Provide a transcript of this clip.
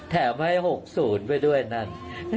แถมให้๖๐ไปด้วยนั่น